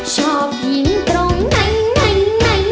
ชอบหินตรงไหนไหน